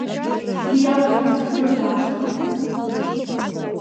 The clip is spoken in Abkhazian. Игәы иалан ирҭагылазаашьахаз.